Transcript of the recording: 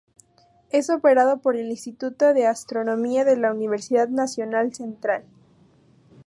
Es operado por el Instituto de Astronomía de la Universidad Nacional Central.